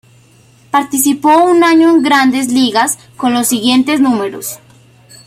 Participó un año en Grandes Ligas con los siguientes números.